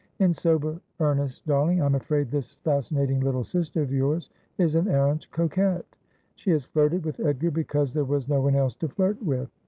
' In sober earnest, darling, I'm afraid this fascinating little sister of yours is an arrant coquette. She has flirted with Edgar because there was no one else to flirt with.'